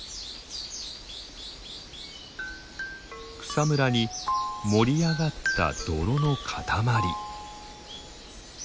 草むらに盛り上がった泥の塊。